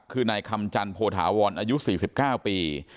คือนายคำจันโพธาวรอายุ๔๙ปี